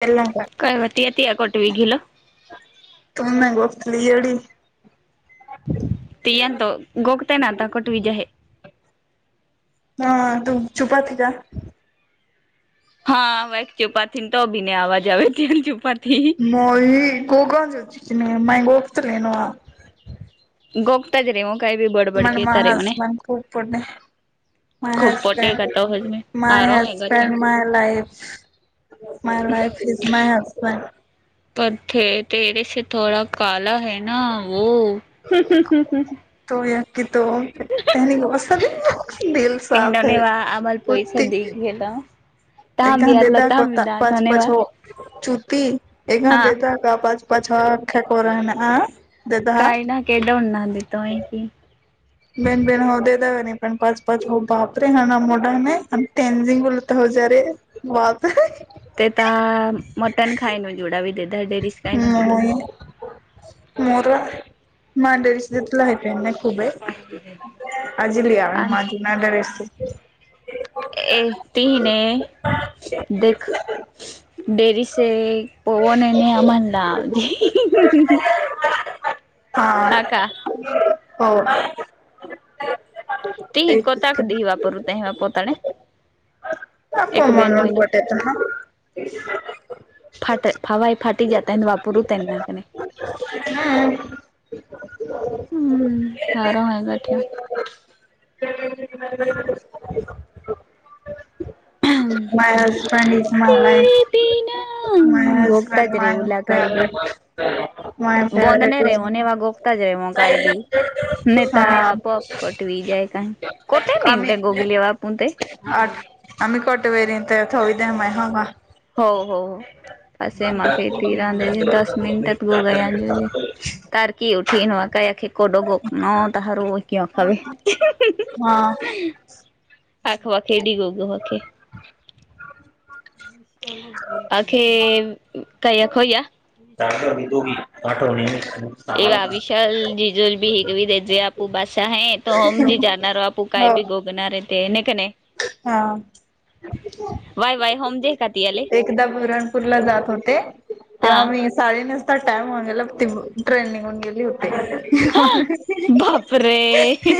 तेला का [unintelligible] कायवती तीया कोटवी घिलो कमंग पतली ही [unintelligible] ते यंतो गोगतेय ना आता कट विज आहे हा तू चुपात का [unintelligible] हा वाईक चुपाी त भी नाही आवाज आ त चुपा [unintelligible] म गोगाज त माय गोत ना [unintelligible] गोगताय रे मग काय बी बड [unintelligible] मला मा हसबंड खूप पुर्ण [unintelligible] माय खूब पटेगा हजबंड तो हजमें माय हारो हैगा थियो husband my life my life is my husband पथ तेरेसे थोडा काला है ना वो तो या की तो त्यानी गस दिल कहना साफ ने आहे वा आमाल पैसा कुत्ती दी गेला ए ताम गा भी दे आलो द ताम भी कोता ना पाच थने पाच वा हो चुती ए गा हाँ दे द [unintelligible] पाच पाच खे करा ना अ [unintelligible] काय ना केडाडना द तोय की [unintelligible] बेन बेन होऊ दे द नाही पण पाच पाच हो बापरे हाणा मोठा नाही आणि तेन झिंग उलत हो ज रे [unintelligible] बत [unintelligible] ते त मटन खाय न जुडा व देध डेरीि [unintelligible] म मोर मांडवीचला हप नाही [unintelligible] खूबे आजलीि आ आणि मा जुना दरेस् [unintelligible] ए तीने देख देरी स [unintelligible] पव न न आ म्हणला आवजे [unintelligible] हा हो ती तेच कोताक दी वापरू ते पताने [unintelligible] अप मणून पटेत ना [unintelligible] फाट फावय फाटी जात वापरू त्यांना [unintelligible] हा हम्म हर आहे ग ठ [unintelligible] [inaudible] [inaudible] माय हझबंड इज माय तेरे लाईफ माय बिना गोगता हजबंड ज माय रेऊ ला काय बी फेवरेट माय बोंद ने फेवरेट रेवो इज हा [unintelligible] कोत म आम्ही मिनटे गोगलीले बापण ते [unintelligible] आठ आम्ही कोटे वरी तरत होऊ द्या म ह [unintelligible] हो हो हो असे मग का तीराां ज दस [unintelligible] मि गो [unintelligible] की उठी नवा काय खे कडो गो न तहारु व किं खा [unintelligible] वे हा आखवाखेडी गो ग हखे [unintelligible] आखे काय अखोई या [unintelligible] च दोघी आठवणी [inaudible] ए विशाल झिजल भी हीग देजे आप उ बासाा है त हम जे जाणार आप हो हा [unintelligible] [unintelligible] एकदा बरणपूरला जात होते हा तेव्हा मी चाली नसता टाईम ट्रेन निघून गेली होती हा बापरे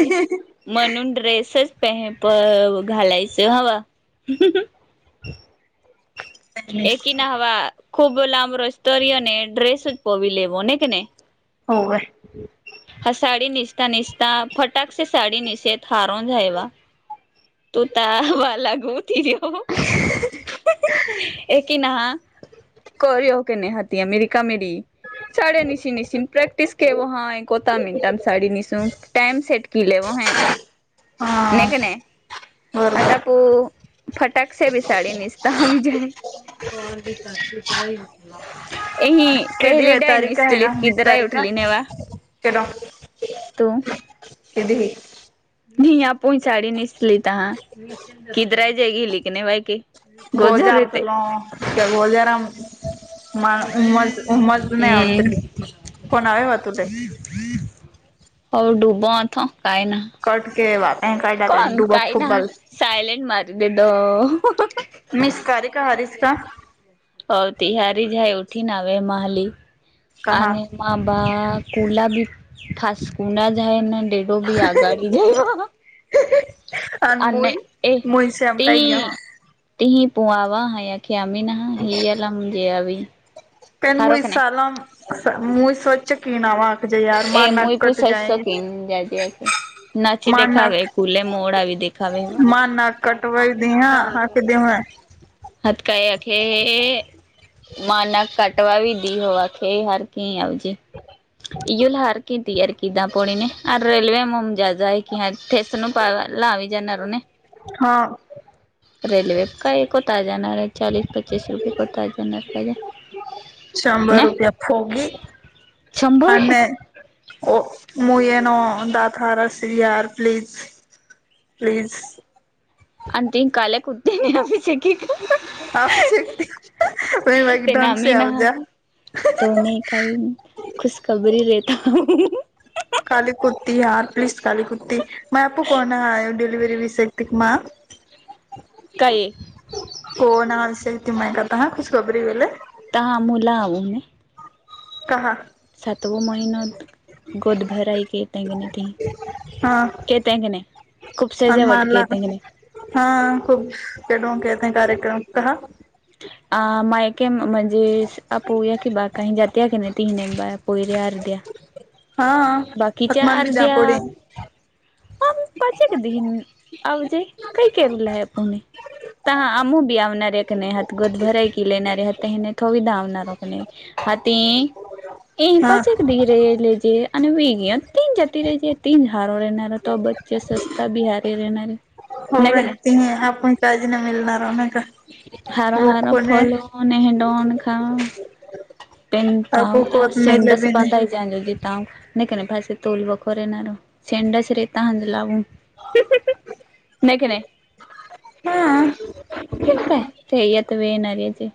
म्हणून ड्रेसच पेह प घालायचं हवा ह [inaudible] एकी ना हवा खूप लांब रस्तरी ्रेस पोवी लेवो न के नाही [unintelligible] हो हाय हा साडी निसता निसता फटाकश साडी निशेत हारून जायवा [unintelligible] [unintelligible] [unintelligible] [unintelligible] [unintelligible] हा [unintelligible] [unintelligible] ए-पहिली बरोबर केडी आहे डानि तारीख आहे का वीस तारीख का [unintelligible] [unintelligible] केडो तो. [inaudible] नाही. आपो साडी निसलीता ह किधर आ जायग लिखणे बायक. [unintelligible] हम्म [unintelligible] [unintelligible] कोन काय ना [unintelligible] सायलेंट मारी देतो. [unintelligible] [unintelligible] कहा [unintelligible] [unintelligible] आणिन मय मै शम तय घ हो [unintelligible] [unintelligible] [unintelligible] [unintelligible] [inaudible] [unintelligible] [unintelligible] [inaudible] [unintelligible] [unintelligible] हा रेल्वे काय कोता जाणार आहे. चाळीस पचस रुपये कोता जाणार काहिजे. शंभर रुपया फोगी शंभर आहे आणि ओ मु येनो दात हार अस्री याार प्लीज. प्लीज. [unintelligible] आप एक ढंग से आ जा [unintelligible] [unintelligible] [unintelligible] [inaudible] काय? हो ना. [unintelligible] [unintelligible] काहा? सातवो महिनत गोद भराय [unintelligible] [unintelligible] हँ हनुमानला [unintelligible] हा. खूप [unintelligible] कार्यक्रम अ मायके म्हणजे आपोया की बा काही जातया की नाही ति नाही बा पोयर्या अर्द्या [unintelligible] हा बाकीच्या पतमान बी अर्ध्या. जापोडे [unintelligible] [unintelligible] ए हा पाचक ीरे ललेजे आणि वीग तीन जाती रहिज तीन झार राहणार त बच्च स्वता बिहारी राहणारे हो त आपण काळजी नाही मिळणारह ना का हारा वो हारा कोने फलूनून हेडन का पणता आपको तर कोत मिले सिंडस भी नाही बधय जालो जी त नाही का नाही पा तोल बखोर येणार ेंडाच रेता हज लावून नाही के नाही हा केन काय कात वे येणार याचे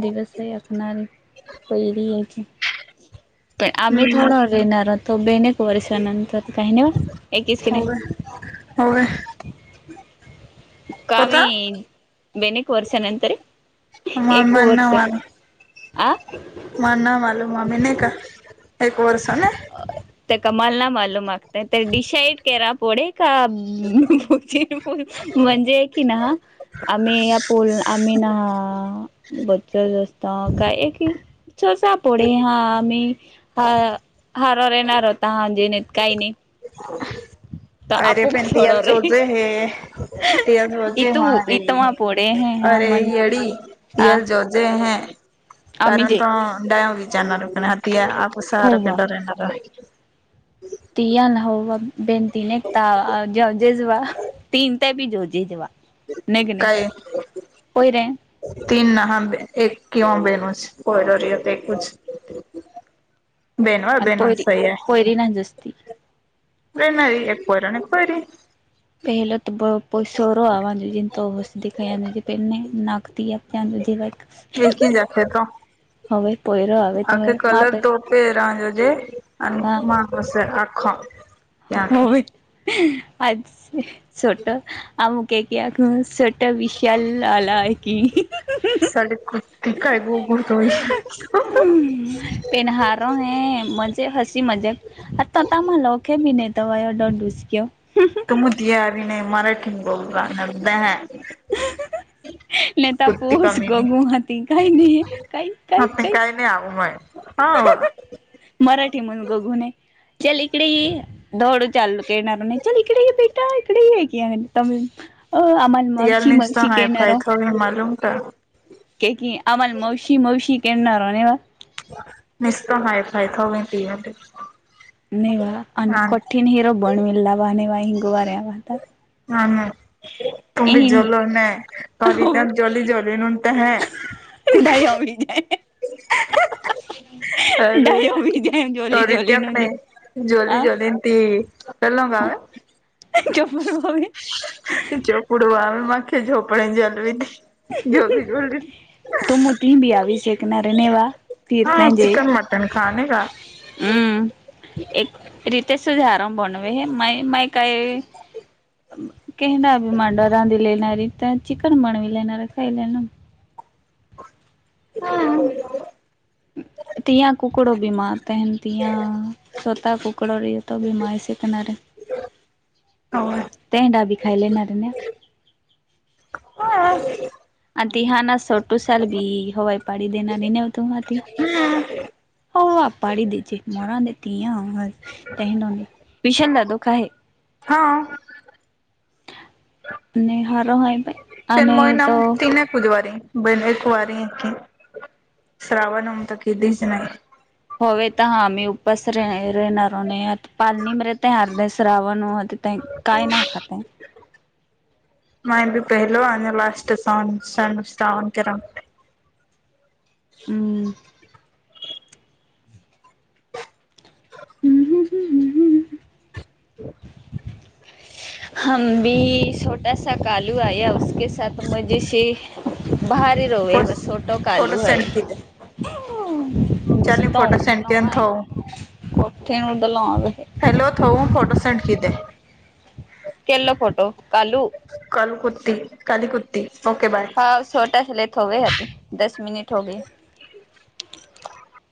दिवस असणार पहिरी याची पण आम्ही हम्म थोडा व येेणार आतो बेनेक वर्षानंतर काही नाही वा एकीच की नाही हो कावी बेनेक वर्ष नंतर एक मम्माना वर्ष आं म ना मालूम म ममी नाही का एक वर्ष न ते कमालला मालू मागतय ते डिसाईड करा पुढे का म्हणजे कि ना आम्ही या पोल आम्ही ना बरच जास्त काय एक चर्चा पोडे हामी हा हारेणार होता हार जीत काही नाही तर अरे आपूप पण त थोडं रे जोजे हे ते जोजे म इथू रे इथमा पोडे ह हा अरे म्हणजे येडी हा येड जन जे हे आम्ही कारण जे तडाव विचारना रुकण्या हात या आप उसाहार होवा कडरणार तिया ना होवा बेनतीीन एक एक त जवजेस वा तीन बी जोजी जवा काय तीन ना एक किंव बेनूच कोयडोरियत एकूच बेनवा बेनणसय नाहीत तेठी रणार एक वर आणि एक वयरी पहिलो तर ब सोहररो आवा तुजन तोस दिखाु प नाकती या क्यान विथ अ लाइक हि ही खडका हवय पोहरा आखे कलर तोपेरा ज आणि मास आखा हो आज छोट आमक कट विश ऑल आला आहे की क ठी काय गुळगुळतय ते नारो है मजे हसी मजाक आता त मला ओके डुसक कमुतीया अभी नही मराठी का अभुत्यं नता पोहच कमी नाही गगूहाती काही हे काही काही काही हाव हे मराठी म्हणून गगु नये चल इकडे ये चालू करणार नाही चल इकडे बेटा इकडे ये की अ आम्हान मावशी मावशी कह नारो हमे मालूम था के की आम्हान मावशी मावशी केनार हो निस्त हाय फाय थऊ म्हट नेवा आणि कठीण हिरो बणवेल ला वा नेवा हिंग वाटा हा हां तुम्ही जल मे परी जली जल न त हे ढाई हमे मे हा हां अरे अरे जली जली त चल ना बाबा चपण भा ते चोपडू आ माखे झोपडी जलवी नही जोली जली त मू ती बी आशे क नारी रनेवा हा चिकन मटन खाने का हा एक रीत से झारं बनवे हे मैं में कायवे कहडा भी मांडा रांधीले णारी त्या चिकन बनवी लेणार खाइ लेलमं हा तिया कुकडो बीमा तहन तिया सोता पुकळो र ज तो विीमाहिसेतनार हो टेंडा बी खायल्ले [unintelligible] अ ती हा ना सोटू साल बी हवाई पाडी देणारी नेव्हतो आ ती हो आपडी दचेे मोर दे तया [unintelligible] विषणला दुःख आहे. हा. [unintelligible] आणि तो बुधवारी ब एक वारी श्रावणम त केरीस ना होवे तर हा मी उपास राहणारो नाही पालणी म ते अर्ध श्रावणते काय ना खाते माय बी पहिलो लास्ट सन श्रावण करो हुं हु हुं हुं [inaudible] हम भु ऐसा कालू आया उसके साथ मजेसी बाहेर होवे सोटु कालू है [inaudible] हॅलो थऊ फोटो सेंड कीदे केलं फोटो कालू कालू कुती काली कुती ओके बाय हा सोटा लेथ होवेती दस मिनिट हो गय [inaudible]